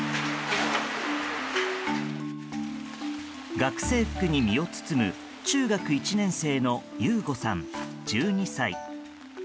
学生服に身を包む中学１年生の悠悟さん、１２歳。